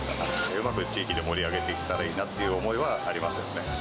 うまく地域で盛り上げていけたらいいなという思いはありますよね。